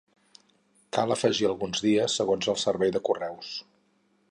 Cal afegir alguns dies segons el servei de Correus.